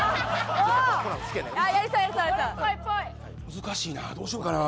難しいなどうしようかな。